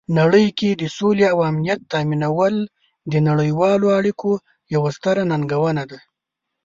نړۍ کې د سولې او امنیت تامینول د نړیوالو اړیکو یوه ستره ننګونه ده.